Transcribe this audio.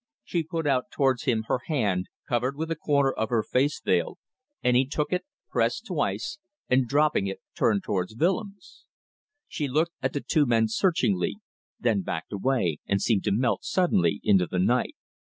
She put out towards him her hand, covered with a corner of her face veil, and he took it, pressed it twice, and dropping it turned towards Willems. She looked at the two men searchingly, then backed away and seemed to melt suddenly into the night.